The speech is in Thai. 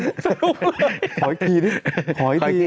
ดูเลยขออีกทีขออีกที